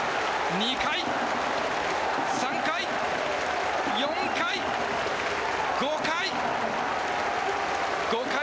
１回、２回３回４回５回！